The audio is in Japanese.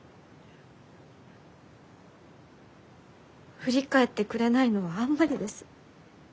振り返ってくれないのはあんまりです。